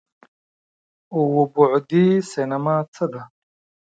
اووه بعدی سینما څه ده؟